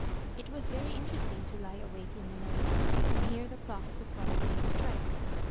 It was very interesting to lie awake in the night and hear the clocks of Rondaine strike.